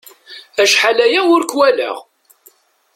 Acḥal aya ur k-walaɣ.